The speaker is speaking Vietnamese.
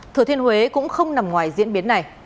thừa thiên huế cũng không nằm ngoài diễn biến này